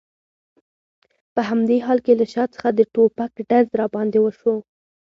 په همدې حال کې له شا څخه د ټوپک ډز را باندې وشو.